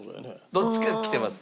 どっちか来てます。